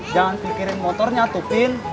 jangan pikirin motornya tufin